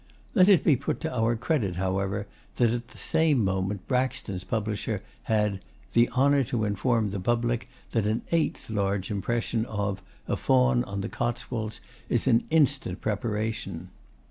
Let it be put to our credit, however, that at the same moment Braxton's publisher had 'the honour to inform the public that an Eighth Large Impression of "A Faun on the Cotswolds" is in instant preparation.